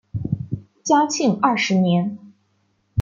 嘉庆二十年。